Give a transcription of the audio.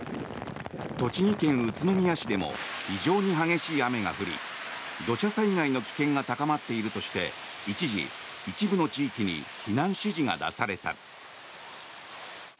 栃木県宇都宮市でも非常に激しい雨が降り土砂災害の危険が高まっているとして一時、一部の地域に避難指示が出された。